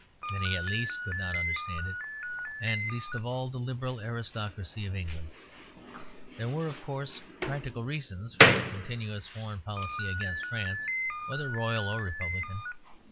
Many, at least, could not understand it, and least of all the liberal aristocracy of England. There were, of course, practical reasons for a continuous foreign policy against France, whether royal or republican.